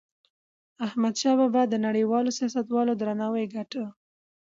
احمدشاه بابا د نړیوالو سیاستوالو درناوی ګاټه.